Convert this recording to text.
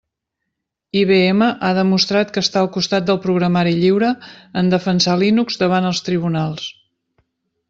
IBM ha demostrat que està al costat del programari lliure en defensar Linux davant els tribunals.